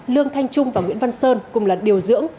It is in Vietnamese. lương thanh trung và nguyễn văn sơn cùng là điều dưỡng